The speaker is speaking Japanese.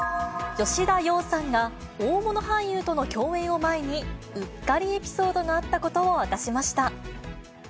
吉田羊さんが大物俳優との共演を前に、うっかりエピソードがあったことを明かしました。